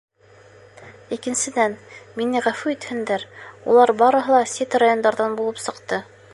Икенсенән, мине ғәфү итһендәр, улар барыһы ла сит райондарҙан булып сыҡты.